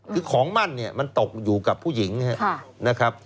คือของมั่นเนี่ยมันตกอยู่กับผู้หญิงนะครับ